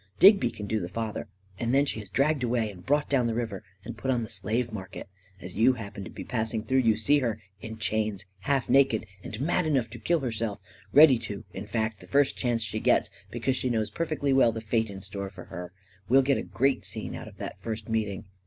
Digby can do the father. And then she is dragged away, and brought down the river and put on the slave market. As you happen to be passing through, 78 A KING IN BABYLON you see her — in chains, half naked, and mad enough to kill herself — ready to, in fact, the first chance she gets, because she knows perfectly well the fate in store for her.v We'll get a great scene out of that first meeting."